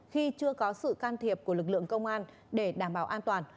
khi chưa có sự can thiệp của lực lượng công an để đảm bảo an toàn